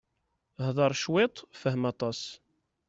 Hder cwiṭ, fhem aṭas.